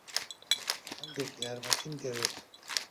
هەندێک یارمەتیم دەوێت.